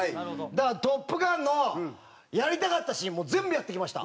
だから『トップガン』のやりたかったシーン全部やってきました。